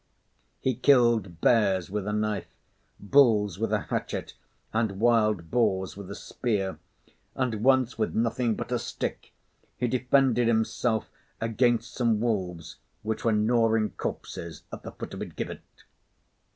He killed bears with a knife, bulls with a hatchet, and wild boars with a spear; and once, with nothing but a stick, he defended himself against some wolves, which were gnawing corpses at the foot of a gibbet.